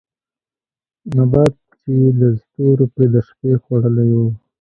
نبات چې يې د ستورو پرې د شپې خـوړلې وو